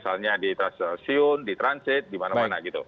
misalnya di stasiun di transit di mana mana gitu